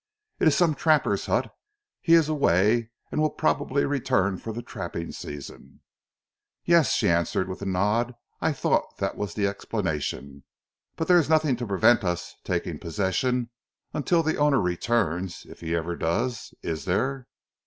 "It is some trapper's hut. He is away, and will probably return for the trapping season." "Yes," she answered with a nod. "I thought that was the explanation. But there is nothing to prevent us taking possession until the owner returns, if he ever does, is there?"